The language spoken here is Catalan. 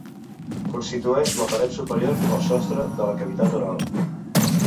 Constitueix la paret superior o sostre de la cavitat oral.